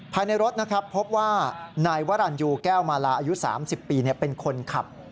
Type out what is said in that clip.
ภายในรถนะครับพบว่านายวรรณยูแก้วมาลาอายุ๓๐ปีเป็นคนขับ